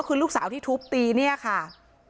คือลูกสาวที่ทุบตีเนี่ยค่ะ